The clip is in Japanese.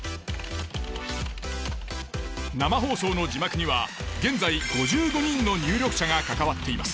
生放送の字幕には現在５５人の入力者が関わっています。